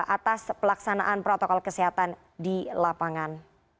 atas pelaksanaan protokol kesehatan di lapangan